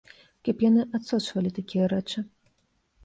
Каб яны адсочвалі такія рэчы.